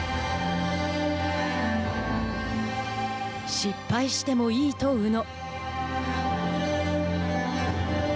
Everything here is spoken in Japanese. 失敗してもいいと宇野。